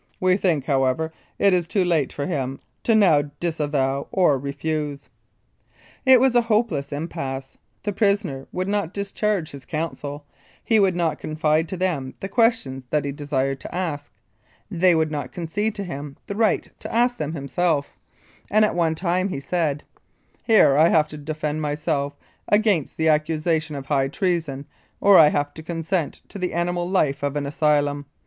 We think, however, it is too late for him to now disavow or refuse." It was a hopeless impasse, the prisoner would not discharge his counsel, he would not confide to them the questions that he desired to ask ; they would not concede to him the right to ask them himself, and at one time he said :" Here I have to defend myself against the accusation of high treason, or I have to consent to the animal life of an asylum.